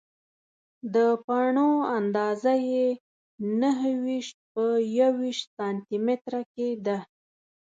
د پاڼو اندازه یې نهه ویشت په یوویشت سانتي متره کې ده.